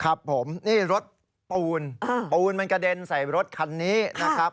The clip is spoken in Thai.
ครับผมนี่รถปูนปูนมันกระเด็นใส่รถคันนี้นะครับ